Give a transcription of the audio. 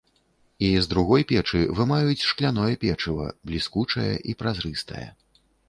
І з другой печы вымаюць шкляное печыва, бліскучае і празрыстае.